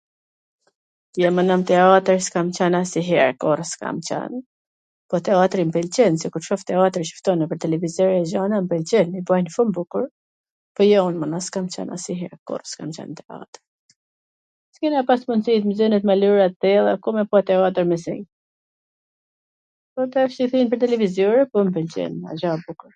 Jo, mana, n teatwr s kam qwn asnjwher, kot, s kam qwn, po teatri m pwlqen, senkur shof teatwr nwpwr televizor, gjana m pwlqejn, i bajn shum bukur, po, jo, un mana s kam qwn asnjwhwr, kot, s kam qwn nw teatwr. S kena pas mundsi ... ku me pa teatwr me sy, po tash qw e shoh nwpwr televizor mw pwlqen, a gja e bukur.